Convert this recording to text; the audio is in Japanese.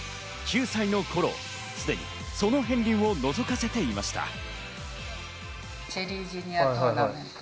９歳の頃、すでにその片りんをのぞかせていました。